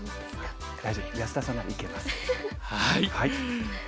大丈夫安田さんならいけます。